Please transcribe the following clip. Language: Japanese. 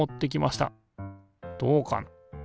どうかな？